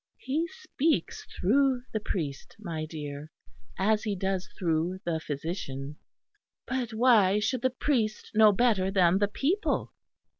"He speaks through the priest, my dear, as He does through the physician." "But why should the priest know better than the people?"